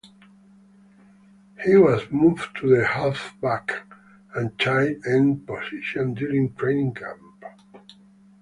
He was moved to the halfback and tight end positions during training camp.